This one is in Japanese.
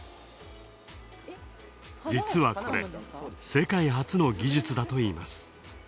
実はこれ、世界初の技術だといいます。